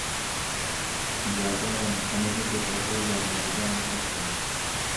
هیوادارم ئەمە ببێتە هۆی یارمەتیدانی کەسێک.